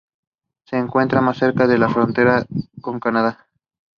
Spurs got the second half underway and immediately went on the attack.